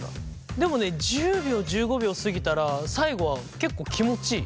でもね１０秒１５秒過ぎたら最後は結構気持ちいい。